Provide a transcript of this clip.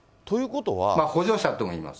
補助者ともいいます。